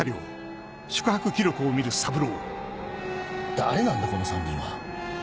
誰なんだこの３人は。